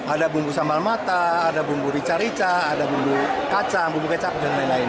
ada bumbu sambal mata ada bumbu rica rica ada bumbu kacang bumbu kecap dan lain lain